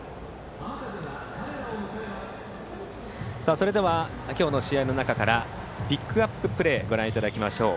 それでは今日の試合の中からピックアッププレーをご覧いただきましょう。